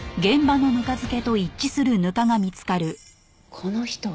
この人は。